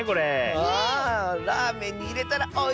あラーメンにいれたらおいしそう！